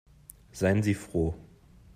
Seien Sie froh.